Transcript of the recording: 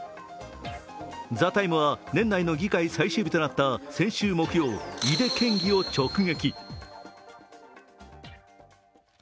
「ＴＨＥＴＩＭＥ，」は年内の議会最終日となった先週木曜、井手県議を直撃。